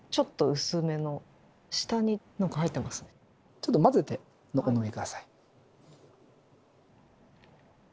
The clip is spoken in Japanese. ちょっと混ぜてお飲み下さい。